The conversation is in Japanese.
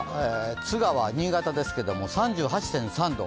津川、新潟ですけど３８．３度。